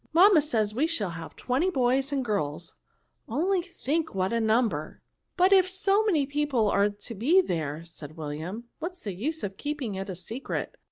Mamma says, we shall be twenty boys and girls ; only think what a number !"" But if so many people are to be there," said William, " what is the use of keeping it a secret?"